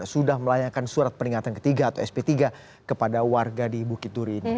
sudah melayangkan surat peringatan ketiga atau sp tiga kepada warga di bukit duri ini